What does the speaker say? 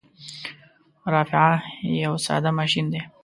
رافعه یو ساده ماشین دی.